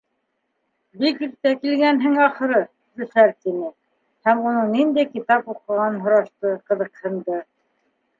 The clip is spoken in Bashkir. — Бик иртә килгәнһең, ахыры, Зөфәр, — тине һәм уның ниндәй китап уҡығанын һорашты, ҡыҙыҡһынды.